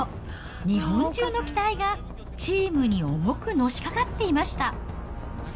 日本中の期待がチームに重くのしかかっていました。